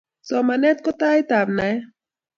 Somanet ko tait ab naet